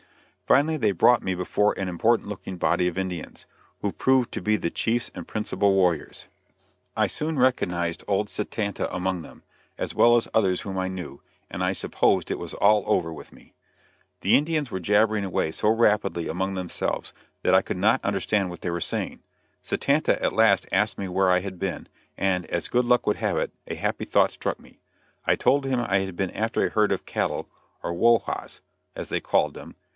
Finally they brought me before an important looking body of Indians, who proved to be the chiefs and principal warriors. I soon recognized old Satanta among them, as well as others whom I knew, and I supposed it was all over with me. The Indians were jabbering away so rapidly among themselves that I could not understand what they were saying. Satanta at last asked me where I had been; and, as good luck would have it, a happy thought struck me. I told him I had been after a herd of cattle or "whoa haws," as they called them.